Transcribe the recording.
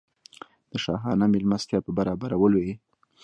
د شاهانه مېلمستیا په برابرولو یې.